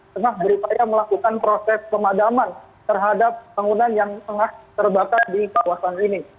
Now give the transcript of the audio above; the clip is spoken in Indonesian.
tengah berupaya melakukan proses pemadaman terhadap bangunan yang tengah terbakar di kawasan ini